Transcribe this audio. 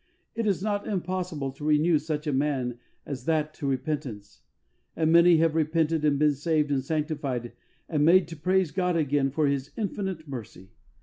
It is not impossible to renew such a man as that to repentance, and many have repented and been saved and sanctified and made to praise God again for His infinite mercy.